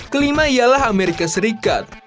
kelima ialah amerika serikat